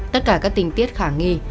tất cả các tình tiết kháng